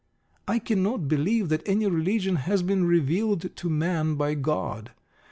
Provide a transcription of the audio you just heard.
I cannot believe that any religion has been revealed to Man by God.